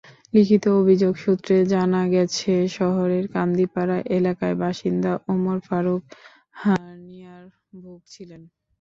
লিখিত অভিযোগ সূত্রে জানা গেছে, শহরের কান্দিপাড়া এলাকার বাসিন্দা ওমর ফারুক হার্নিয়ায় ভুগছিলেন।